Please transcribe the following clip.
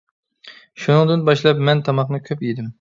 شۇنىڭدىن باشلاپ مەن تاماقنى كۆپ يېدىم.